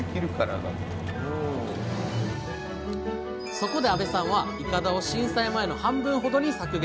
そこで阿部さんはいかだを震災前の半分ほどに削減。